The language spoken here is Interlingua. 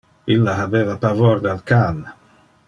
Illa habeva pavor del can.